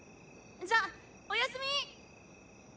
じゃあおやすみ！